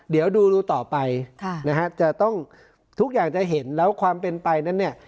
เดี๋ยวดูต่อไปนะฮะจะต้องทุกอย่างจะเห็นแล้วความเป็นไปนั้นเนี่ย